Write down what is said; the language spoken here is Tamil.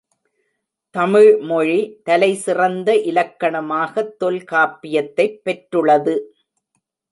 தமிழ் மொழி, தலை சிறந்த இலக்கணமாகத் தொல் காப்பியத்தைப் பெற்றுளது.